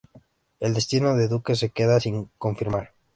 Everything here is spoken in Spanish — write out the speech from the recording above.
El destino de Dukes se queda sin confirmar.